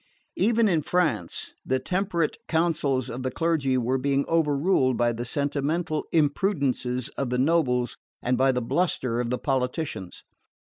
Even in France the temperate counsels of the clergy were being overruled by the sentimental imprudences of the nobles and by the bluster of the politicians.